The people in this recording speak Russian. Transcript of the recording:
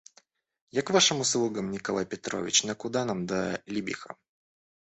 Я к вашим услугам, Николай Петрович; но куда нам до Либиха!